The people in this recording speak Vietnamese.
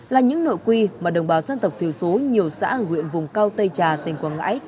là những nội quy mà đồng bào dân tộc thiểu số nhiều xã ở huyện vùng cao tây trà tỉnh quảng ngãi